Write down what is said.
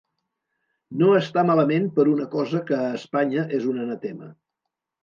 No està malament per una cosa que a Espanya és un anatema.